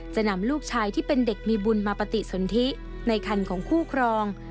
จะนำลูกชายที่เป็นเด็กมีบุญมาปฏิสนทิในคันของคู่ครอง